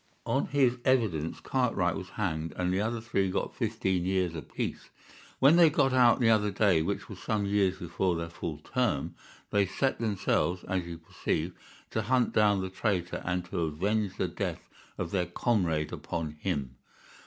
On his evidence Cartwright was hanged and the other three got fifteen years apiece. When they got out the other day, which was some years before their full term, they set themselves, as you perceive, to hunt down the traitor and to avenge the death of their comrade upon him.